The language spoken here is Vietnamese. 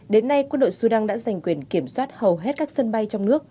đến nay quân đội sudan đã giành quyền kiểm soát hầu hết các sân bay trong nước